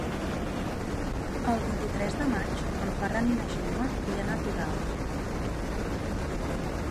El vint-i-tres de maig en Ferran i na Gemma iran a Torralba.